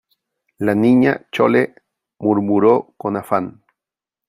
la Niña Chole murmuró con afán :